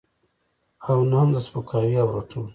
او نه هم د سپکاوي او رټلو.